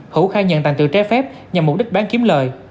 hữu khai nhận tàn tựu trái phép nhằm mục đích bán kiếm lời